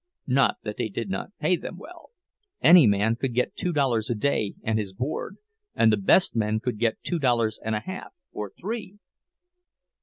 Not that they did not pay them well—any man could get two dollars a day and his board, and the best men could get two dollars and a half or three.